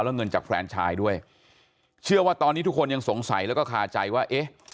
แล้วเงินจากแฟนชายด้วยเชื่อว่าตอนนี้ทุกคนยังสงสัยแล้วก็คาใจว่าเอ๊ะ